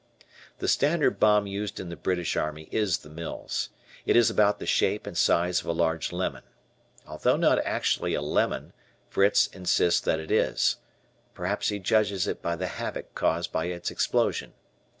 The standard bomb used in the British Army is the "Mills." It is about the shape and size of a large lemon. Although not actually a lemon, Fritz insists that it is; perhaps he judges it by the havoc caused by its explosion.